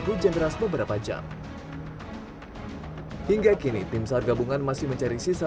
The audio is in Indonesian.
hujan keras beberapa jam hingga kini tim sahab gabungan masih mencari sisa